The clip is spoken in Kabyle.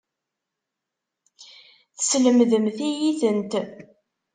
Teslemdemt-iyi-tent.